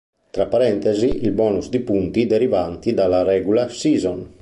Tra parentesi il bonus di punti derivante dalla regular season.